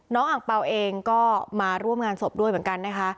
อ่างเปล่าเองก็มาร่วมงานศพด้วยเหมือนกันนะคะ